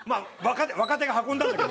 若手が運んだんだけど。